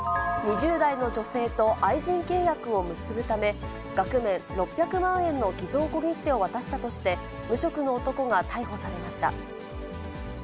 ２０代の女性と愛人契約を結ぶため、額面６００万円の偽造小切手を渡したとして、無職の男が逮捕されました。